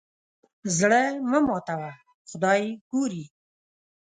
زړه مه ماتوه خدای ګوري.